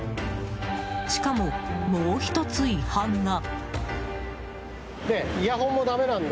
しかも、もう１つ違反が。